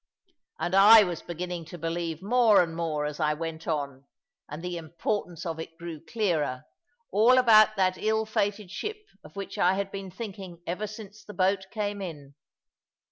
And I was beginning to believe more and more as I went on, and the importance of it grew clearer, all about that ill fated ship of which I had been thinking ever since the boat came in.